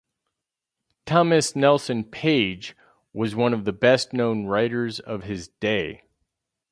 Thomas Nelson Page was one of the best-known writers of his day.